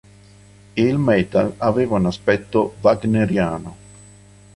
Il metal aveva un aspetto wagneriano".